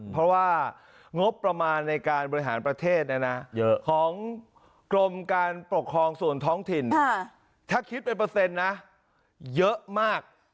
เพราะว่างบประมาณในการบริหารประเทศของกรมการปกครองส่วนท้องถิ่นถ้าคิดเป็นเปอร์เซ็นต์นะเยอะมาก